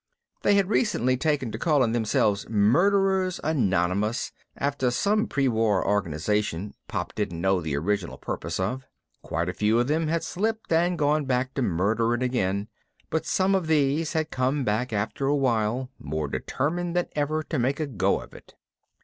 They had recently taken to calling themselves Murderers Anonymous, after some pre war organization Pop didn't know the original purpose of. Quite a few of them had slipped and gone back to murdering again, but some of these had come back after a while, more determined than ever to make a go of it.